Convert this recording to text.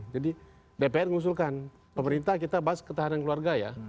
jadi dpr mengusulkan pemerintah kita bahas ketahanan keluarga ya